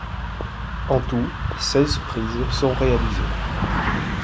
En tout, seize prises sont réalisées.